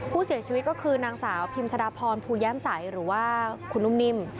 ผู้เสียชีวิตก็คือนางสาวพิมชะดาพรภูแย้มใสหรือว่าคุณนุ่มนิ่ม